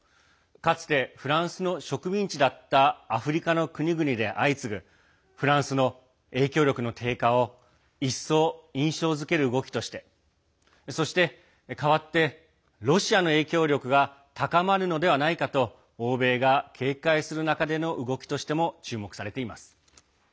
かつて、フランスの植民地だったアフリカの国々で相次ぐフランスの影響力の低下を一層、印象づける動きとしてそして代わってロシアの影響力が高まるのではないかと欧米が警戒する中での動きとしても注目されています。